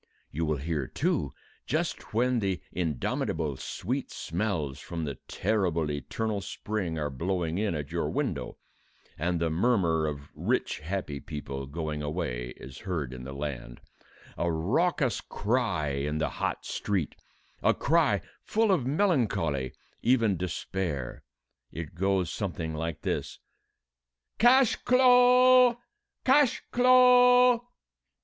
You will hear, too, just when the indomitable sweet smells from the terrible eternal spring are blowing in at your window, and the murmur of rich happy people going away is heard in the land, a raucous cry in the hot street a cry full of melancholy, even despair: it goes something like this "Cash clo'! Cash clo'!"